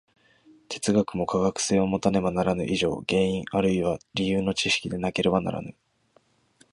哲学も科学性をもたねばならぬ以上、原因あるいは理由の知識でなければならぬ。